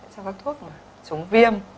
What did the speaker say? trong các thuốc chống viêm